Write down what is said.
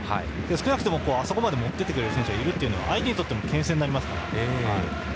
少なくともあそこまで持っていってくれる選手がいると相手にとってもけん制になりますから。